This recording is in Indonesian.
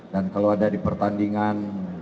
kalau ada di pertandingan